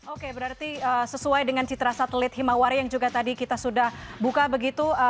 oke berarti sesuai dengan citra satelit himawari yang juga tadi kita sudah buka begitu